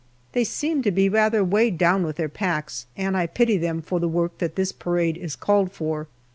They seemed to be rather weighed down with their packs, and I pity them for the work that this parade is called for.